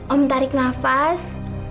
om tarik nafas